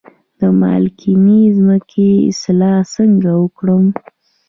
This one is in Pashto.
د مالګینې ځمکې اصلاح څنګه وکړم؟